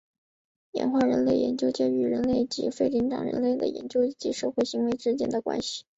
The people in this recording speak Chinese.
演化人类学研究介于人科及非人灵长类的演化与社会行为之间的关系。